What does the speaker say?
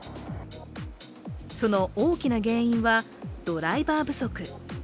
その大きな原因はドライバー不足。